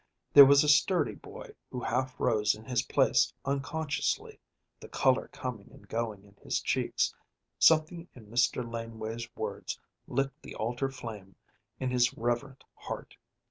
There was a sturdy boy who half rose in his place unconsciously, the color coming and going in his cheeks; something in Mr. Laneway's words lit the altar flame in his reverent heart.